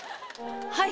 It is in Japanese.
はい。